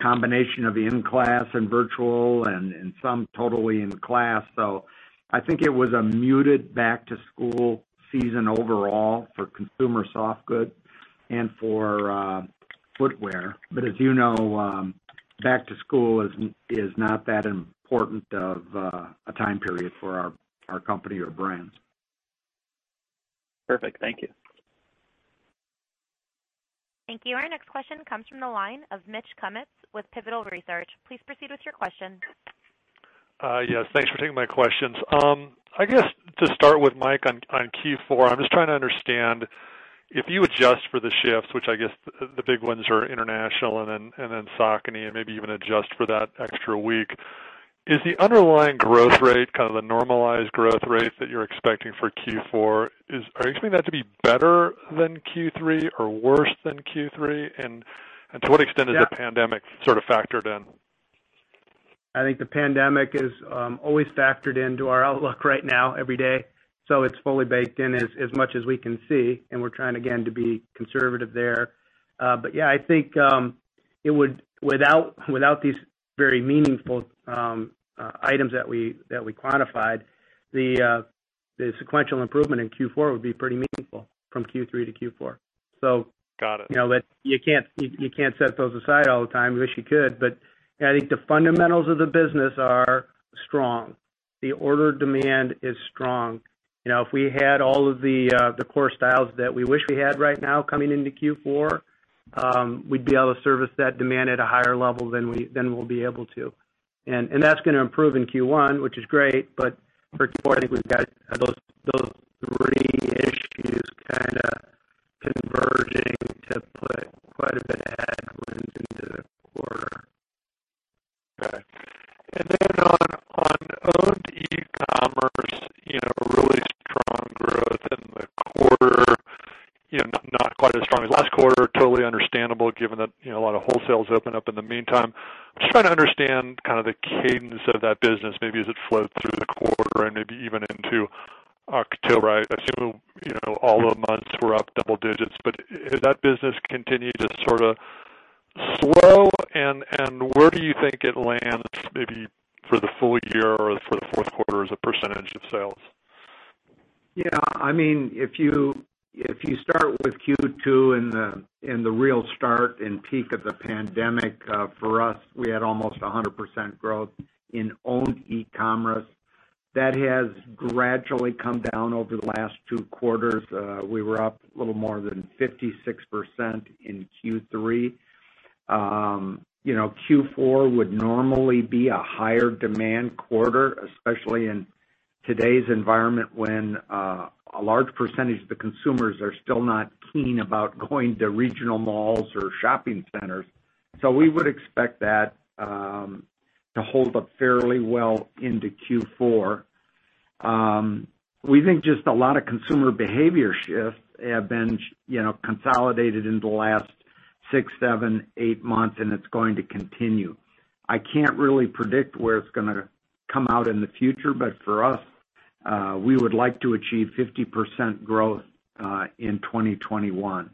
combination of in-class and virtual, and some totally in class. So I think it was a muted back to school season overall for consumer soft goods and for footwear. But as you know, back to school is not that important of a time period for our company or brands. Perfect. Thank you. Thank you. Our next question comes from the line of Mitch Kummetz with Pivotal Research Group. Please proceed with your question. Yes, thanks for taking my questions. I guess to start with Mike on Q4, I'm just trying to understand, if you adjust for the shifts, which I guess the big ones are international and then Saucony, and maybe even adjust for that extra week, is the underlying growth rate, kind of the normalized growth rate that you're expecting for Q4, are you expecting that to be better than Q3 or worse than Q3? And to what extent- Yeah... is the pandemic sort of factored in? I think the pandemic is always factored into our outlook right now, every day. So it's fully baked in as much as we can see, and we're trying, again, to be conservative there. But yeah, I think it would without these very meaningful items that we quantified, the sequential improvement in Q4 would be pretty meaningful from Q3 to Q4. So Got it. You know, but you can't set those aside all the time. I wish you could, but I think the fundamentals of the business are strong. The order demand is strong. You know, if we had all of the core styles that we wish we had right now coming into Q4, we'd be able to service that demand at a higher level than we'll be able to. And that's gonna improve in Q1, which is great, but for Q4, I think we've got those three issues kind of converging to put quite a bit of headwinds into the quarter. Okay. And then on owned e-commerce, you know, really strong growth in the quarter, you know, not quite as strong as last quarter. Totally understandable, given that, you know, a lot of wholesales open up in the meantime. I'm just trying to understand kind of the cadence of that business, maybe as it flowed through the quarter and maybe even into October. I assume, you know, all the months were up double digits, but has that business continued to sort of slow, and where do you think it lands, maybe for the full year or for the fourth quarter as a percentage of sales? Yeah, I mean, if you, if you start with Q2 and the, and the real start and peak of the pandemic, for us, we had almost 100% growth in owned e-commerce. That has gradually come down over the last two quarters. We were up a little more than 56% in Q3. You know, Q4 would normally be a higher demand quarter, especially in today's environment, when, a large percentage of the consumers are still not keen about going to regional malls or shopping centers. So we would expect that, to hold up fairly well into Q4. We think just a lot of consumer behavior shifts have been, you know, consolidated in the last six, seven, eight months, and it's going to continue. I can't really predict where it's gonna come out in the future, but for us, we would like to achieve 50% growth in 2021.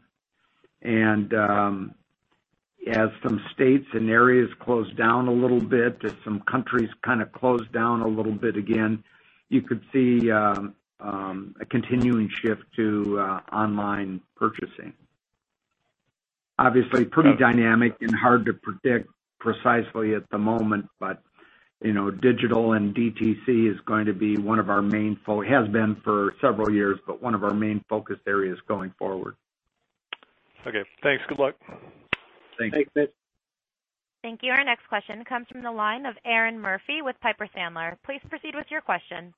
As some states and areas close down a little bit, as some countries kind of close down a little bit again, you could see a continuing shift to online purchasing. Obviously pretty dynamic and hard to predict precisely at the moment, but, you know, digital and DTC is going to be one of our main, has been for several years, but one of our main focus areas going forward. Okay, thanks. Good luck. Thanks. Thank you. Our next question comes from the line of Erin Murphy with Piper Sandler. Please proceed with your question.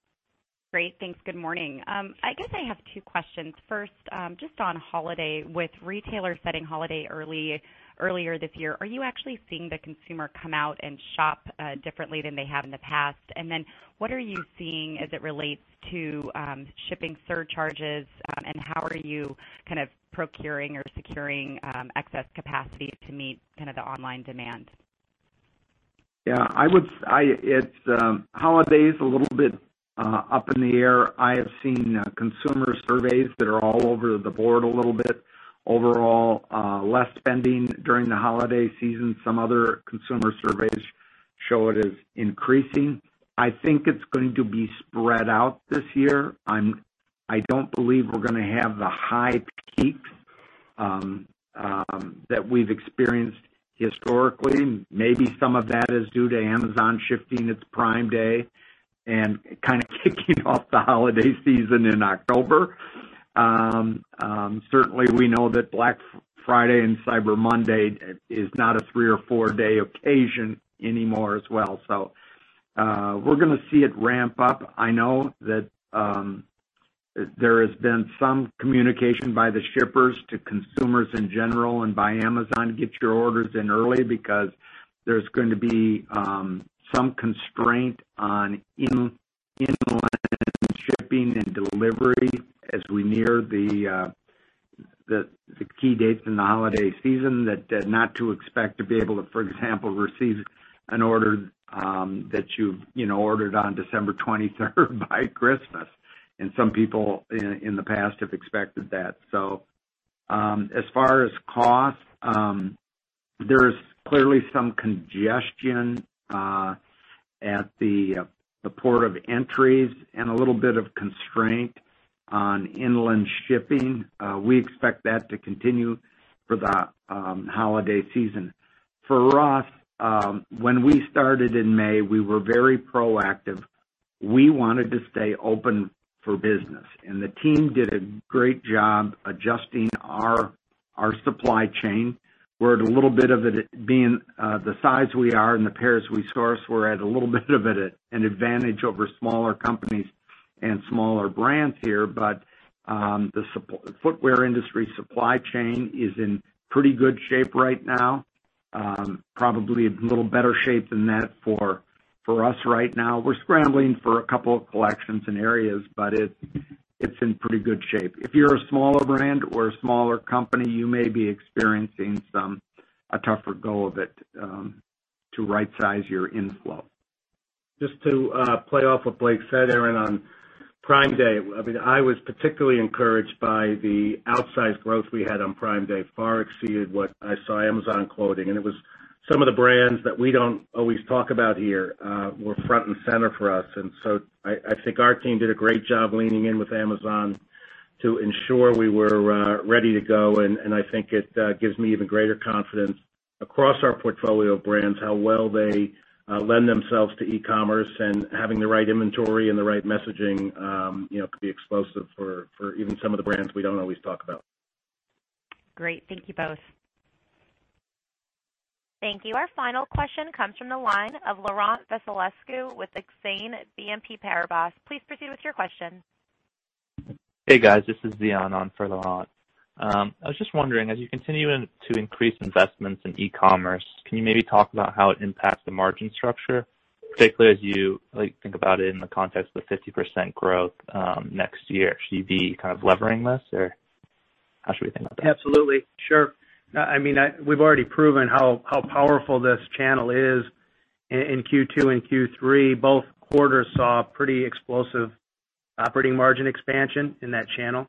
Great. Thanks. Good morning. I guess I have two questions. First, just on holiday, with retailers setting holiday early, earlier this year, are you actually seeing the consumer come out and shop differently than they have in the past? And then what are you seeing as it relates to shipping surcharges, and how are you kind of procuring or securing excess capacity to meet kind of the online demand? Yeah, it's holiday is a little bit up in the air. I have seen consumer surveys that are all over the board a little bit. Overall, less spending during the holiday season. Some other consumer surveys show it is increasing. I think it's going to be spread out this year. I don't believe we're gonna have the high peaks that we've experienced historically. Maybe some of that is due to Amazon shifting its Prime Day and kind of kicking off the holiday season in October. Certainly, we know that Black Friday and Cyber Monday is not a three or four-day occasion anymore as well. So, we're gonna see it ramp up. I know that there has been some communication by the shippers to consumers in general and by Amazon, get your orders in early, because there's going to be some constraint on inland shipping and delivery as we near the key dates in the holiday season, that not to expect to be able to, for example, receive an order that you've, you know, ordered on December twenty-third, by Christmas. And some people in the past have expected that. So, as far as cost, there is clearly some congestion at the ports of entry and a little bit of constraint on inland shipping. We expect that to continue for the holiday season. For us, when we started in May, we were very proactive. We wanted to stay open for business, and the team did a great job adjusting our, our supply chain, where the little bit of it being the size we are and the pairs we source, we're at a little bit of at an advantage over smaller companies and smaller brands here. But the footwear industry supply chain is in pretty good shape right now. Probably a little better shape than that for us right now. We're scrambling for a couple of collections in areas, but it's in pretty good shape. If you're a smaller brand or a smaller company, you may be experiencing a tougher go of it to rightsize your inflow. Just to play off what Blake said, Erin, on Prime Day, I mean, I was particularly encouraged by the outsized growth we had on Prime Day, far exceeded what I saw Amazon quoting. And it was some of the brands that we don't always talk about here, were front and center for us. And so I think our team did a great job leaning in with Amazon to ensure we were ready to go. And I think it gives me even greater confidence across our portfolio of brands, how well they lend themselves to e-commerce and having the right inventory and the right messaging, you know, could be explosive for even some of the brands we don't always talk about. Great. Thank you both. Thank you. Our final question comes from the line of Laurent Vasilescu with Exane BNP Paribas. Please proceed with your question. Hey, guys, this is Ziyun Zhou on for Laurent Vasilescu. I was just wondering, as you continue to increase investments in e-commerce, can you maybe talk about how it impacts the margin structure, particularly as you, like, think about it in the context of the 50% growth, next year? Should you be kind of levering this, or how should we think about that? Absolutely. Sure. I mean, we've already proven how powerful this channel is in Q2 and Q3. Both quarters saw pretty explosive operating margin expansion in that channel.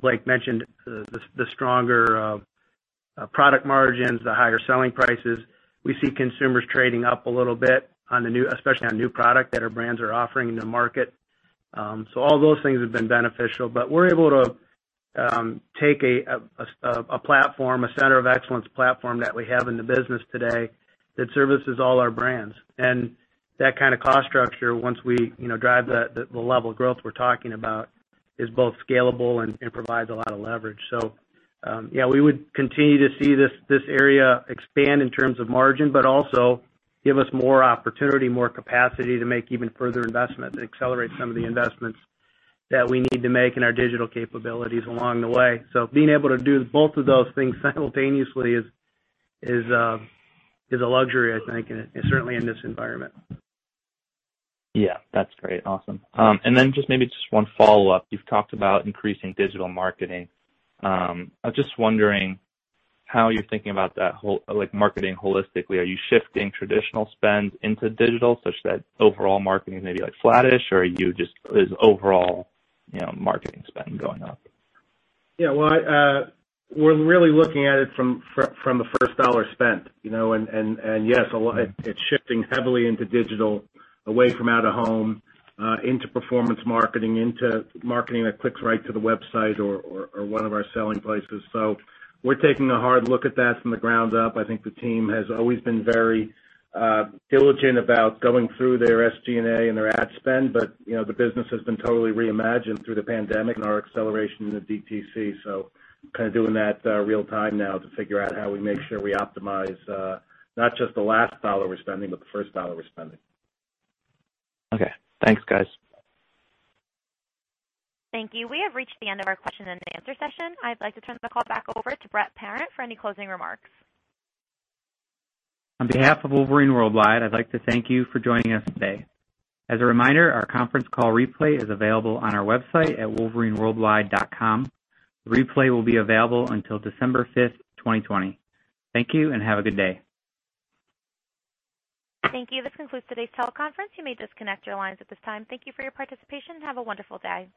Blake mentioned the stronger product margins, the higher selling prices. We see consumers trading up a little bit on the new- especially on new product that our brands are offering in the market. So all those things have been beneficial, but we're able to take a platform, a center of excellence platform that we have in the business today that services all our brands. And that kind of cost structure, once we, you know, drive the level of growth we're talking about, is both scalable and provides a lot of leverage. So, yeah, we would continue to see this area expand in terms of margin, but also give us more opportunity, more capacity to make even further investment and accelerate some of the investments that we need to make in our digital capabilities along the way. So being able to do both of those things simultaneously is a luxury, I think, and certainly in this environment. Yeah, that's great. Awesome. And then just maybe just one follow-up. You've talked about increasing digital marketing. I was just wondering how you're thinking about that whole- like, marketing holistically. Are you shifting traditional spends into digital such that overall marketing may be, like, flattish, or are you just, is overall, you know, marketing spend going up? Yeah, well, I, we're really looking at it from the first dollar spent, you know. And yes, a lot—it, it's shifting heavily into digital, away from out of home, into performance marketing, into marketing that clicks right to the website or one of our selling places. So we're taking a hard look at that from the ground up. I think the team has always been very diligent about going through their SG&A and their ad spend, but, you know, the business has been totally reimagined through the pandemic and our acceleration in the DTC. So kind of doing that real time now to figure out how we make sure we optimize, not just the last dollar we're spending, but the first dollar we're spending. Okay. Thanks, guys. Thank you. We have reached the end of our question and answer session. I'd like to turn the call back over to Brett Parent for any closing remarks. On behalf of Wolverine Worldwide, I'd like to thank you for joining us today. As a reminder, our conference call replay is available on our website at wolverineworldwide.com. The replay will be available until December fifth, 2020. Thank you, and have a good day. Thank you. This concludes today's teleconference. You may disconnect your lines at this time. Thank you for your participation, and have a wonderful day.